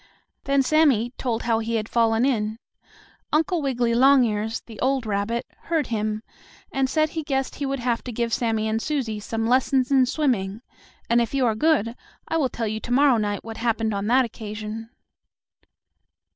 Then Sammie told how he had fallen in. Uncle Wiggily Longears, the old rabbit, heard him, and said he guessed he would have to give Sammie and Susie some lessons in swimming, and if you are good, I will tell you to morrow night what happened on that occasion.